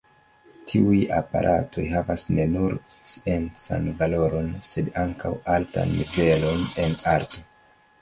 Tiuj aparatoj havas ne nur sciencan valoron, sed ankaŭ altan nivelon en arto.